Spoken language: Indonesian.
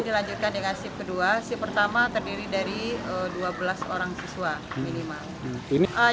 dilanjutkan dengan sip kedua sif pertama terdiri dari dua belas orang siswa minimal ini